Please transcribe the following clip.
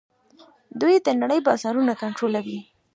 دوی د نړۍ بازارونه کنټرولوي.